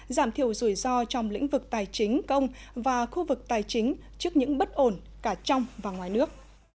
giảm thiểu rủi ro trong lĩnh vực tài chính công và khu vực tài chính trước những bất ổn cả trong và ngoài nước